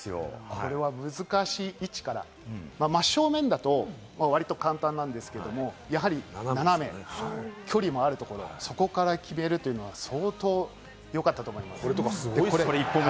これは難しい位置から、真正面だと割と簡単なんですけれど、やはり斜め、距離もあるところ、そこから決めるというのは相当良かったと思います。